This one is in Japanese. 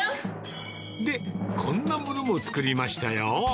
で、こんなものも作りましたよ。